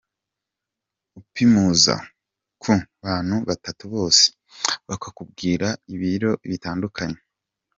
Upimuza ku bantu batatu bose bakakubwira ibiro bitandukanye.